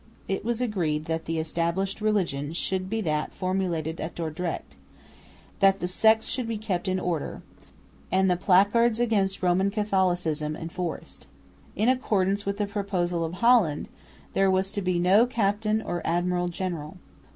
It was agreed that the established religion should be that formulated at Dordrecht, that the sects should be kept in order, and the placards against Roman Catholicism enforced. In accordance with the proposal of Holland there was to be no captain or admiral general.